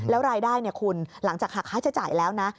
แล้วรายได้เนี่ยคุณหลังจากหักค้าจะจ่ายแล้วนะ